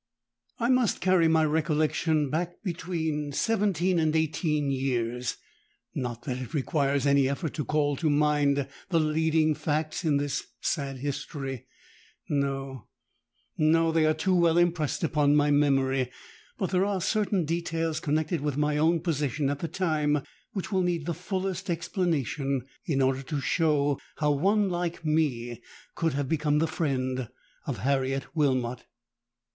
"I must carry my recollection back between seventeen and eighteen years. Not that it requires any effort to call to mind the leading facts in this sad history; no—no—they are too well impressed upon my memory;—but there are certain details connected with my own position at the time which will need the fullest explanation, in order to show how one like me could have become the friend of Harriet Wilmot.